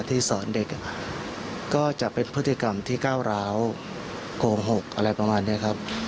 ที่สอนเด็กก็จะเป็นพฤติกรรมที่ก้าวร้าวโกหกอะไรประมาณนี้ครับ